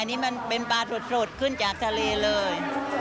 อันนี้มันเป็นปลาสดขึ้นจากทะเลเลย